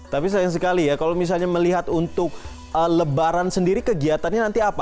tapi sayang sekali ya kalau misalnya melihat untuk lebaran sendiri kegiatannya nanti apa